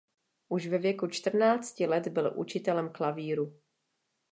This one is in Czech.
Už ve věku čtrnácti let byl učitelem klavíru.